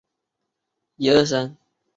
它是指经由精神的集中过程。